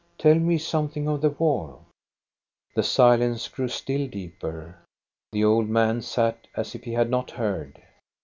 " Tell me something of the war !" The silence grew still deeper. The old man sat as if he had not heard.